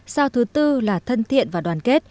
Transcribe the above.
sao thứ tư là thân thiện và đoàn kết